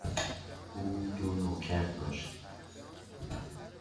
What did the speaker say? او دو نوکر داشت.